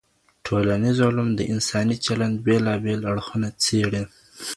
ټولنیز علوم د انساني چلند بېلابېل اړخونه څېړي.